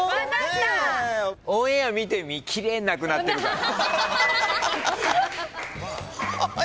オンエア見てみ奇麗になくなってるから。